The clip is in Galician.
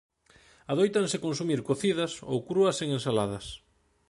Adóitanse consumir cocidas ou crúas en ensaladas.